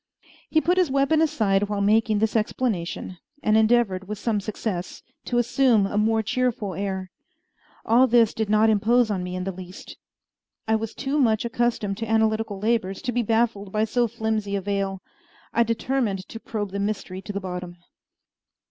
He put his weapon aside while making this explanation, and endeavored, with some success, to assume a more cheerful air. All this did not impose on me in the least. I was too much accustomed to analytical labors to be baffled by so flimsy a veil. I determined to probe the mystery to the bottom.